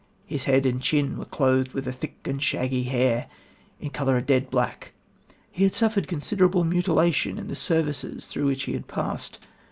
his head and chin were clothed with a thick and shaggy hair, in colour a dead black. He had suffered considerable mutilation in the services through which he had passed